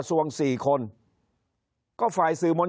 คนในวงการสื่อ๓๐องค์กร